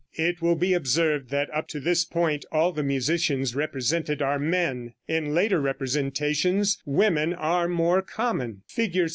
] It will be observed that up to this point all the musicians represented are men. In later representations women are more common. Fig.